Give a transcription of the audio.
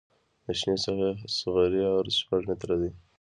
د شنې ساحې اصغري عرض شپږ متره دی